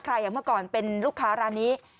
อย่างเมื่อก่อนเป็นลูกค้าร้านนี้